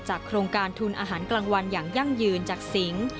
โครงการทุนอาหารกลางวันอย่างยั่งยืนจากสิง